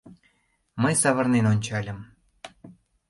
Мый савырнен ончальым.